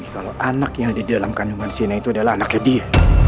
kalau anak yang ada di dalam kandungan sine itu adalah anaknya dia